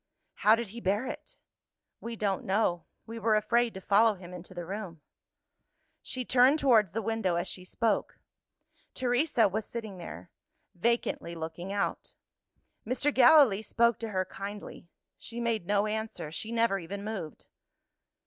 "How did he bear it?" "We don't know; we were afraid to follow him into the room." She turned towards the window as she spoke. Teresa was sitting there vacantly looking out. Mr. Gallilee spoke to her kindly: she made no answer; she never even moved.